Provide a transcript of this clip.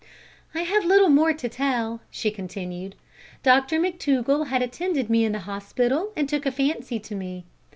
"I have little more to tell," she continued. "Dear Dr McTougall had attended me in the hospital, and took a fancy to me.